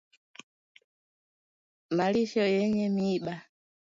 Malisho yenye miiba